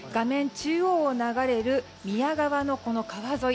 中央を流れる川の川沿い。